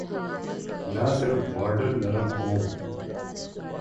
نہ صرف بارڈر نرم ہوں۔